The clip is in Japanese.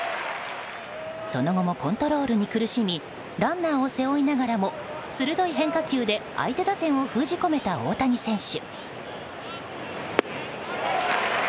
その後もコントロールに苦しみランナーを背負いながらも鋭い変化球で相手打線を封じ込めた大谷選手。